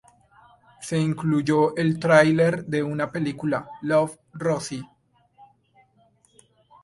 Se incluyó del tráiler de una película "Love, Rosie".